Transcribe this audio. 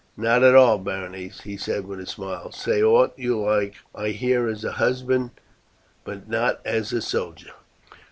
"Not at all, Berenice," he said with a smile; "say aught you like. I hear as a husband but not as a soldier."